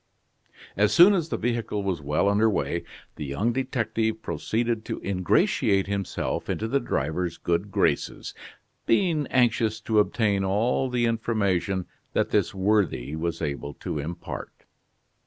As soon as the vehicle was well under way, the young detective proceeded to ingratiate himself into the driver's good graces, being anxious to obtain all the information that this worthy was able to impart.